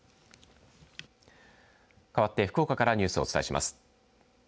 かわって、福岡からニュースをお伝えします。